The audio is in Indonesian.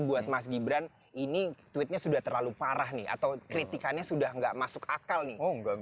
buat mas gibran ini tweetnya sudah terlalu parah nih atau kritikannya sudah nggak masuk akal nih